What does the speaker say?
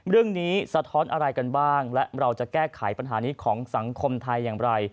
สะท้อนอะไรกันบ้างและเราจะแก้ไขปัญหานี้ของสังคมไทยอย่างไร